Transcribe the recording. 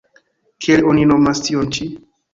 Kiel oni nomas tion-ĉi?